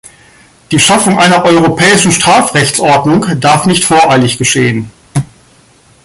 Die Schaffung einer europäischen Strafrechtsordnung darf nicht voreilig geschehen.